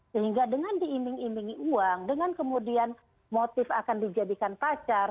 sehingga dengan diimbing imingi uang dengan kemudian motif akan dijadikan pacar